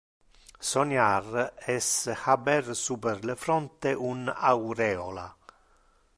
Soniar es haber super le fronte un aureola.